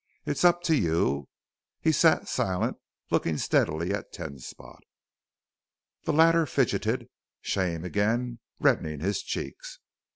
It's up to you." He sat silent, looking steadily at Ten Spot. The latter fidgeted, shame again reddening his cheeks.